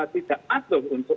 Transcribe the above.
tidak atuh untuk